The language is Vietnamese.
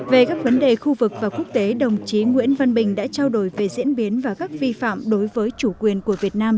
về các vấn đề khu vực và quốc tế đồng chí nguyễn văn bình đã trao đổi về diễn biến và các vi phạm đối với chủ quyền của việt nam